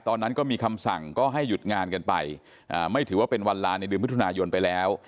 ตอนนั้นก็มีคำสั่งก็ให้หยุดงานกันไปไม่ถือว่าเป็นวันลาในเดือนมิถุนายนไปแล้ว